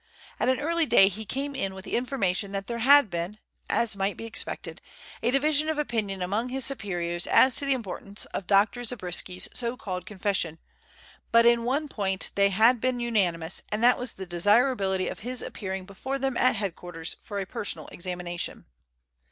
At an early day he came in with the information that there had been, as might be expected, a division of opinion among his superiors as to the importance of Dr. Zabriskie's so called confession, but in one point they had been unanimous and that was the desirability of his appearing before them at Headquarters for a personal examination.